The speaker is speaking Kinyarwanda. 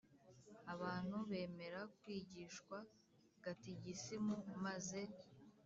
Abantu bemera kwigishwa gatigisimu maze